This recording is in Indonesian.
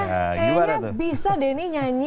kayaknya bisa deh nih nyanyi